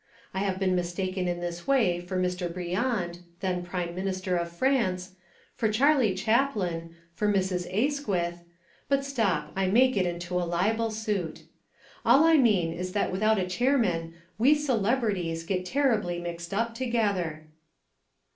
I have been mistaken in this way for Mr. Briand, then Prime Minister of France, for Charlie Chaplin, for Mrs. Asquith, but stop, I may get into a libel suit. All I mean is that without a chairman "we celebrities" get terribly mixed up together.